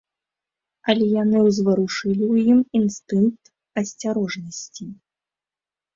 Але яны ўзварушылі ў ім інстынкт асцярожнасці.